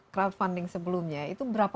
crowdfunding sebelumnya itu berapa